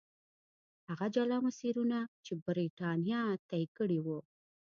هغه جلا مسیرونه چې برېټانیا طی کړي وو.